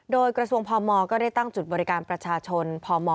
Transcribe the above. โดยกระทรวงพมก็ได้ตั้งจุดบริการประชาชนพม